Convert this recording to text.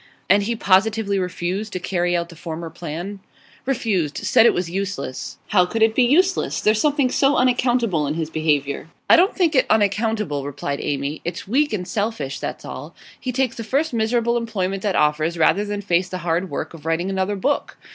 'And he positively refused to carry out the former plan?' 'Refused. Said it was useless.' 'How could it be useless? There's something so unaccountable in his behaviour.' 'I don't think it unaccountable,' replied Amy. 'It's weak and selfish, that's all. He takes the first miserable employment that offers rather than face the hard work of writing another book.